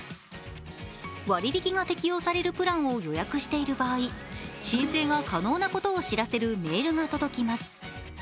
割引が適用されるプランを予約している場合申請が可能なことを知らせるメールが届きます。